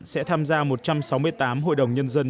sẽ tham gia một trăm sáu mươi tám hội đồng nhân dân